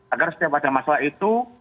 agar setiap ada masalah itu